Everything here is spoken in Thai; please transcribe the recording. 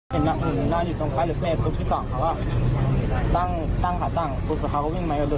เห็นมันนอนอยู่ตรงฝ้าลดเมฆพรุ่งที่๒เขาว่าตั้งขาตั้งปุ๊บเขาก็วิ่งไม้กันด้วย